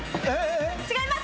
違います。